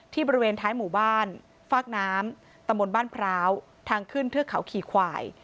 บริเวณท้ายหมู่บ้านฟากน้ำตำบลบ้านพร้าวทางขึ้นเทือกเขาขี่ควาย